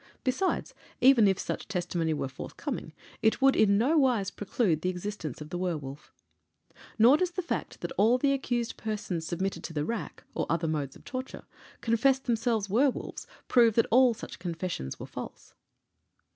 Besides, even if such testimony were forthcoming, it would in nowise preclude the existence of the werwolf. Nor does the fact that all the accused persons submitted to the rack, or other modes of torture, confessed themselves werwolves prove that all such confessions were false.